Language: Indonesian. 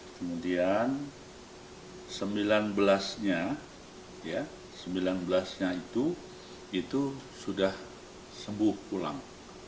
kemudian sembilan belas nya sembilan belas nya itu itu sudah sembuh pulang